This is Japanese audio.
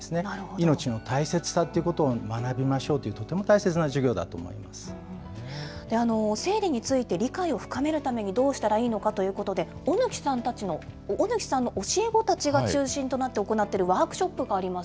命の大切さっていうことを学びましょうという、とても大切な授業生理について理解を深めるためにどうしたらよいのかということで、小貫さんたちの教え子たちが中心となって行っているワークショップがあります。